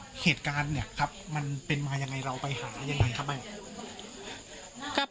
ปกติพี่สาวเราเนี่ยครับเป็นคนเชี่ยวชาญในเส้นทางป่าทางนี้อยู่แล้วหรือเปล่าครับ